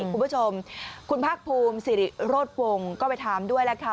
คุณผู้ชมคุณภาคภูมิสิริโรธวงศ์ก็ไปถามด้วยแล้วค่ะ